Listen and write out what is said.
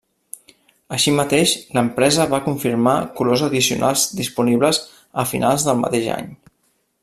Així mateix l'empresa va confirmar colors addicionals disponibles a finals del mateix any.